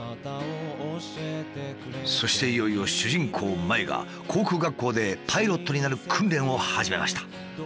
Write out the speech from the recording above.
そしていよいよ主人公舞が航空学校でパイロットになる訓練を始めました。